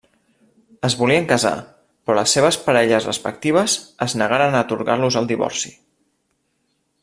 Es volien casar, però les seves parelles respectives es negaren a atorgar-los el divorci.